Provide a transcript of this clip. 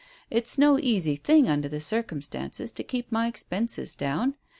It's no easy thing under the circumstances to keep my expenses down.